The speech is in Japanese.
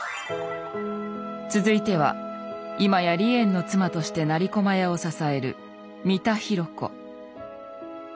続いては今や梨園の妻として成駒屋を支える三田寛子。